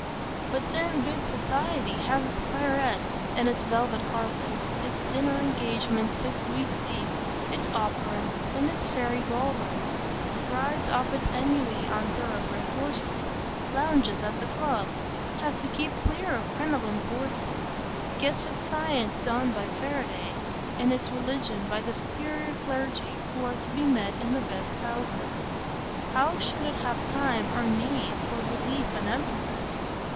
But then good society has its claret and its velvet carpets, its dinner engagements six weeks deep, its opera and its faëry ball rooms; rides off its ennui on thoroughbred horses; lounges at the club; has to keep clear of crinoline vortices; gets its science done by Faraday, and its religion by the superior clergy who are to be met in the best houses,—how should it have time or need for belief and emphasis?